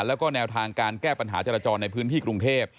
แล้วก็แนวทางการแก้ปัญหาจราจรในพื้นที่กรุงเทพ